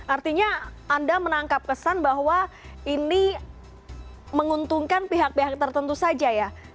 artinya anda menangkap kesan bahwa ini menguntungkan pihak pihak tertentu saja ya